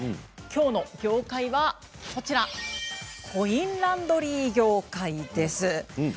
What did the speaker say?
きょうのギョーカイはコインランドリー業界です。